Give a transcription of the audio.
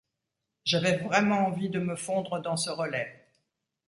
J'avais vraiment envie de me fondre dans ce relais.